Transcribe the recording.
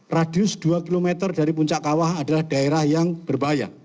radius dua km dari puncak kawah adalah daerah yang berbahaya